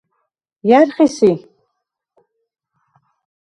ჲა̈რ ხი სი?